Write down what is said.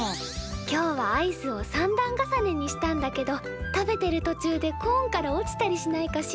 今日はアイスを３段重ねにしたんだけど食べてる途中でコーンから落ちたりしないか心配だったよ。